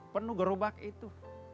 penuh gerobak itu